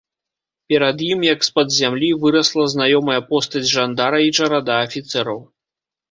Перад ім, як з-пад зямлі, вырасла знаёмая постаць жандара і чарада афіцэраў.